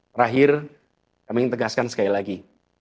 terakhir kami ingin tegaskan sekali lagi